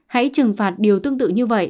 hãy trừng phạt điều tương tự như vậy